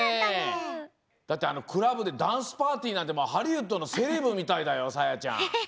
だってあのクラブでダンスパーティーなんてハリウッドのセレブみたいだよさあやちゃん。